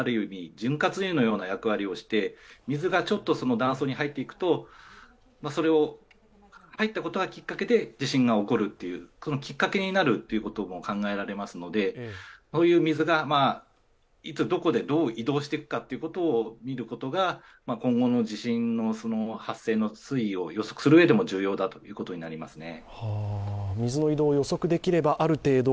潤滑油のような役割をして水がちょっと断層に入っていくと、それを入ったことがきっかけで地震が起こるというそのきっかけになるということも考えられますので、そういう水がいつどこでどう移動していくかっていうことを見ることが、今後の地震の発生推移を予測するうえでも重要だということになりますね。